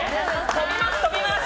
とびます！